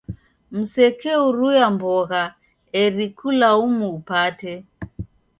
Msekeuruya mbogha eri kula umu upate.